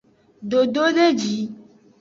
Dododeji.